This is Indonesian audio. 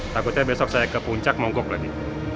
takutnya besok saya ke puncak mogok lagi